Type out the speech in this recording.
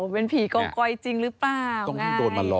เป็นผีกองกอยจริงหรือเปล่า